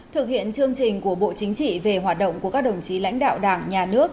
thực hiện chương trình của bộ chính trị về hoạt động của các đồng chí lãnh đạo đảng nhà nước